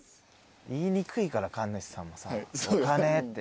言いにくいから神主さんもさお金って。